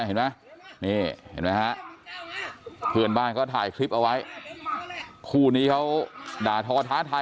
เห็นไหมเพื่อนบ้านก็ถ่ายคลิปเอาไว้คู่นี้เขาด่าท้อท้าถ่าย